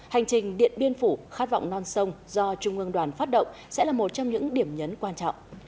hành trình điện biên phủ khát vọng non sông do trung ương đoàn phát động sẽ là một trong những điểm nhấn quan trọng